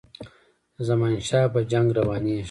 د زمانشاه په جنګ روانیږي.